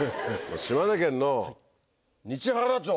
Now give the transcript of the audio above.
島根県の日原町！